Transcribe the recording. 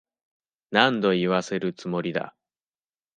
何度言わせるつもりだ。